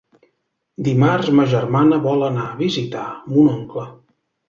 Dimarts ma germana vol anar a visitar mon oncle.